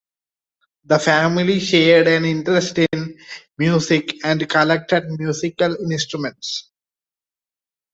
The family shared an interest in music and collected musical instruments.